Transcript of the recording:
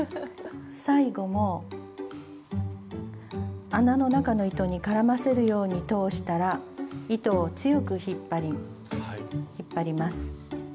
最後も穴の中の糸に絡ませるように通したら糸を強く引っ張ります。